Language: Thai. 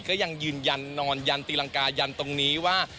ก็ยังยืนยันนอนยันตีรังกายันตรงนี้ว่า